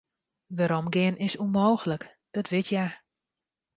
Weromgean is ûnmooglik, dat wit hja.